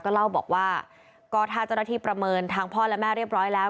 เล่าบอกว่าก็ถ้าเจ้าหน้าที่ประเมินทางพ่อและแม่เรียบร้อยแล้ว